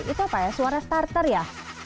itu apa ya suara starter ya